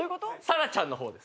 沙羅ちゃんの方です